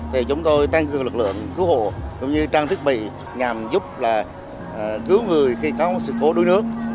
thì chúng tôi tăng cường lực lượng cứu hộ cũng như trang thiết bị nhằm giúp là cứu người khi có sự cố đuối nước